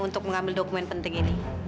untuk mengambil dokumen penting ini